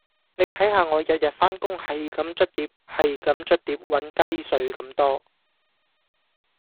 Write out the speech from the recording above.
你睇下我日日返工係咁捽碟係咁捽碟搵雞碎咁多